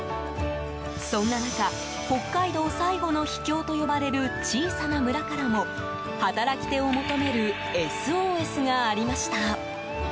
そんな中北海道最後の秘境と呼ばれる小さな村からも、働き手を求めるＳＯＳがありました。